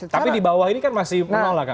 tapi di bawah ini kan masih menolak kang ujang